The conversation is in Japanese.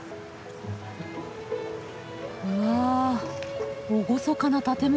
うわ厳かな建物。